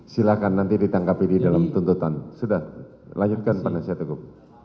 silahkan nanti ditangkapi di dalam tuntutan sudah lanjutkan penasihat hukum